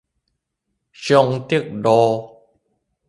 松德路